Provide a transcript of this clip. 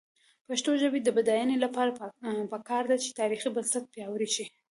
د پښتو ژبې د بډاینې لپاره پکار ده چې تاریخي بنسټ پیاوړی شي.